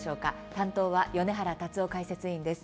担当は米原達生解説委員です。